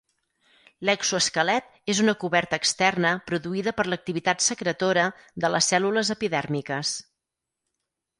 L'exoesquelet és una coberta externa produïda per l'activitat secretora de les cèl·lules epidèrmiques.